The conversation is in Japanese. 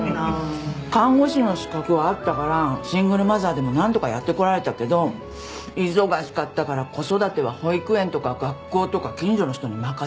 看護師の資格はあったからシングルマザーでもなんとかやってこられたけど忙しかったから子育ては保育園とか学校とか近所の人に任せっぱなし。